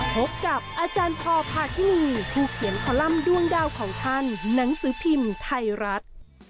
พบกับอาจารย์พอพาทินีผู้เขียนคอลัมป์ด้วงดาวของท่านหนังสือพิมพ์ไทยรัฐ